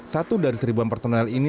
satu dari seribuan personel ini